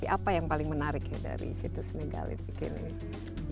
apa yang paling menarik dari situs megalithik ini